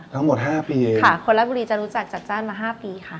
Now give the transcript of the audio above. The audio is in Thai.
ทั้งหมดห้าปีค่ะคนรับบุรีจะรู้จักจัดจ้านมา๕ปีค่ะ